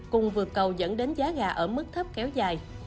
cùng vượt cầu dẫn đến giá gà ở mức thấp kéo dài